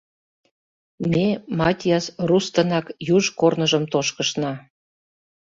— Ме Матиас Рустынак юж корныжым тошкышна.